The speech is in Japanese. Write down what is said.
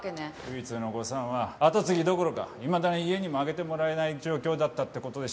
唯一の誤算は跡継ぎどころかいまだに家にも上げてもらえない状況だったって事でしょうね。